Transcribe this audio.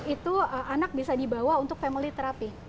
itu anak bisa dibawa untuk family therapy